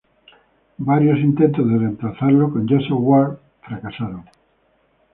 Varios intentos de reemplazarlo con Joseph Ward fueron fracasados.